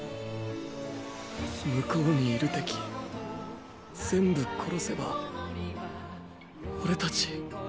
向こうにいる敵全部殺せばオレたち